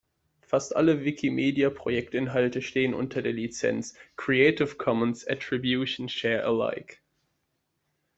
Fast alle Wikimedia-Projektinhalte stehen unter der Lizenz "Creative Commons Attribution Share Alike".